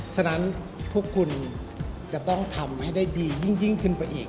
ฉะนั้นพวกคุณจะต้องทำให้ได้ดียิ่งขึ้นไปอีก